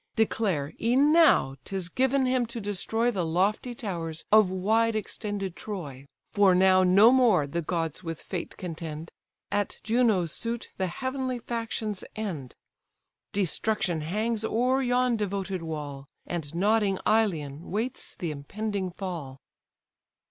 Declare, e'en now 'tis given him to destroy The lofty towers of wide extended Troy. For now no more the gods with fate contend, At Juno's suit the heavenly factions end. Destruction hangs o'er yon devoted wall, And nodding Ilion waits the impending fall."